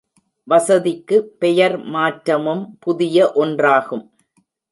வசதிக்கு பெயர் மாற்றமும் புதிய ஒன்றாகும்.